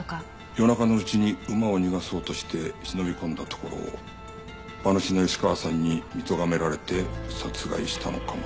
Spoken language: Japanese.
夜中のうちに馬を逃がそうとして忍び込んだところを馬主の吉川さんに見とがめられて殺害したのかもな。